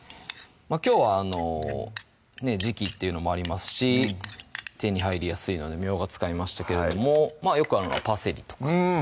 きょうは時季っていうのもありますし手に入りやすいのでみょうが使いましたけれどもよくあるのはパセリとかうん！